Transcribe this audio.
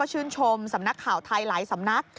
ชื่นชมสำนักข่าวไทยหลายสำนัก